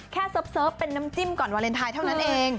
เสิร์ฟเป็นน้ำจิ้มก่อนวาเลนไทยเท่านั้นเอง